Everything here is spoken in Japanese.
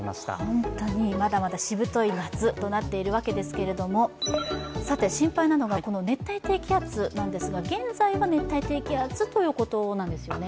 本当にまだまだしぶとい夏となっているわけですけれども、心配なのは熱帯低気圧なんですが、現在は熱帯低気圧ということなんですよね？